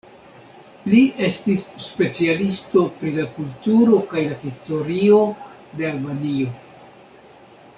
Li estis specialisto pri la kulturo kaj la historio de Albanio.